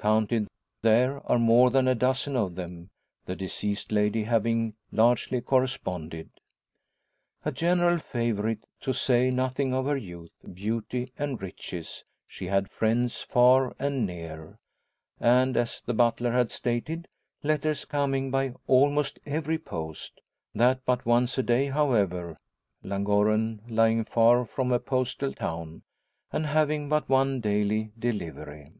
Counted there are more than a dozen of them, the deceased lady having largely corresponded. A general favourite to say nothing of her youth, beauty, and riches she had friends far and near; and, as the butler had stated, letters coming by "almost every post" that but once a day, however, Llangorren lying far from a postal town, and having but one daily delivery.